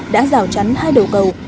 đã rào chắn hai đầu cầu